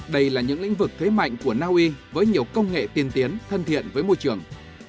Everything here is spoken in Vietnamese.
đây là những lĩnh vực thuế mạnh của na uy với nhiều công nghệ tiên tiến thân thiện với môi trường